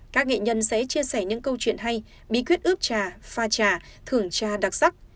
các nghệ nhân sẽ chia sẻ những câu chuyện hay bí quyết ướp trà pha trà thưởng trà đặc sắc